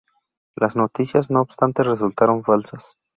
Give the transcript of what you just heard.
Las noticias, no obstante, resultaron falsas.